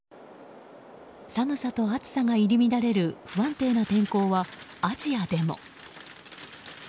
寒さと暑さが入り乱れる不安定な天候はアジアでも。